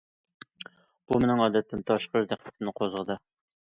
بۇ مېنىڭ ئادەتتىن تاشقىرى دىققىتىمنى قوزغىدى.